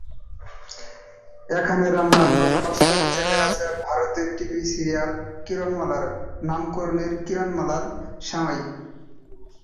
এখানে রান্নার নতুনত্ব হিসেবে আছে ভারতের টিভি সিরিয়াল কিরণমালার নামকরণে কিরণমালা সেমাই।